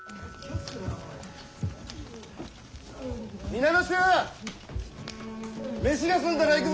皆の衆飯が済んだら行くぞ！